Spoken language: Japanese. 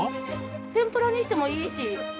天ぷらにしてもいいし。